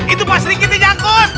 itu pak serikiti jangkut